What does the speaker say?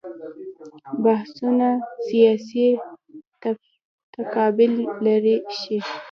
بحثونه سیاسي تقابل لرې شي.